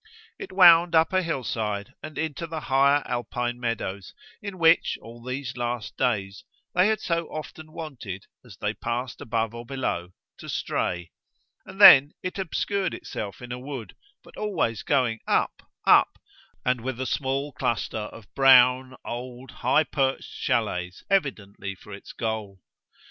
It wound up a hillside and into the higher Alpine meadows in which, all these last days, they had so often wanted, as they passed above or below, to stray; and then it obscured itself in a wood, but always going up, up, and with a small cluster of brown old high perched chalets evidently for its goal.